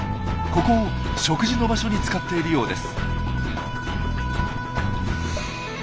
ここを食事の場所に使っているようです。